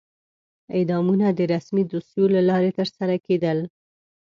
اعدامونه د رسمي دوسیو له لارې ترسره کېدل.